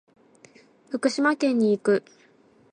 福島県に行く。